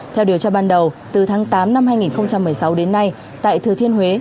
theo điều tra ban đầu từ tháng tám năm hai nghìn một mươi sáu đến nay tại thừa thiên huế